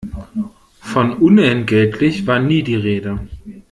Von unentgeltlich war nie die Rede.